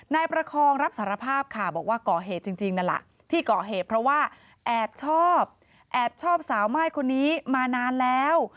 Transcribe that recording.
นายประคองรับสารภาพค่ะบอกว่าก่อเหตุจริงนั่นแหละที่ก่อเหตุเพราะว่าแอบชอบแอบชอบสาวม่ายคนนี้มานานแล้ว